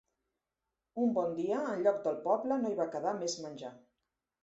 Un bon dia enlloc del poble no hi va quedar més menjar.